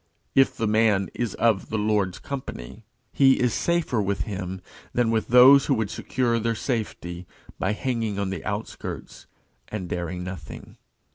If the man is of the Lord's company, he is safer with him than with those who would secure their safety by hanging on the outskirts and daring nothing.